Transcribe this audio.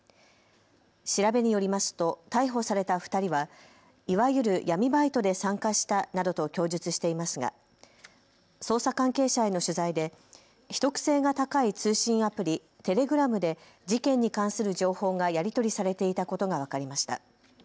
調べによりますと逮捕された２人は、いわゆる闇バイトで参加したなどと供述していますが捜査関係者への取材で秘匿性が高い通信アプリ、テレグラムで事件に関する情報がやり取りされていたことが分かりました。